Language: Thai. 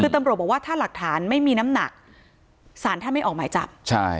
คือตำรวจบอกว่าถ้าหลักฐานไม่มีน้ำหนักศาลถ้าไม่ออกหมายจับใช่